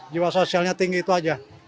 jiwa sosialnya tinggi itu aja